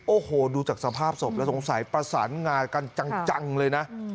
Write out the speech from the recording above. โอ้โหดูจากสภาพศพแล้วสงสัยประสานงากันจังเลยนะ